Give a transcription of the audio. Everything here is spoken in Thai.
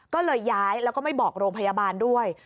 ก็เลยย้ายแล้วก็ไม่บอกโรงพยาบาลด้วย